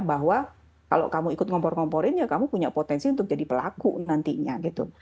bahwa kalau kamu ikut ngompor ngomporin ya kamu punya potensi untuk jadi pelaku nantinya gitu